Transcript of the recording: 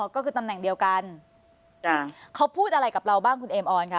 ก็คือตำแหน่งเดียวกันเขาพูดอะไรกับเราบ้างคุณเอมออนคะ